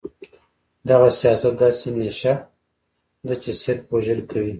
دغه سياست داسې نيشه ده چې صرف وژل کوي.